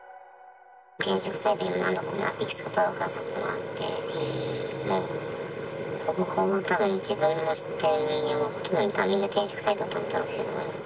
転職サイトに何度も、いくつか登録させてもらって、ほぼたぶん、自分の知っている人間は、みんな転職サイト登録していると思います。